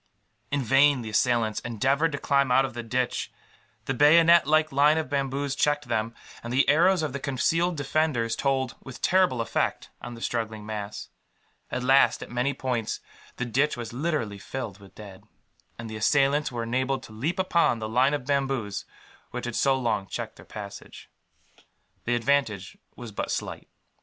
In vain the assailants endeavoured to climb out of the ditch. The bayonet like line of bamboos checked them; and the arrows of the concealed defenders told, with terrible effect, on the struggling mass. At last, at many points, the ditch was literally filled with dead; and the assailants were enabled to leap upon the line of bamboos which had so long checked their passage. The advantage was but slight.